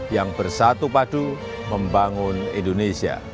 yang bersatu padu membangun indonesia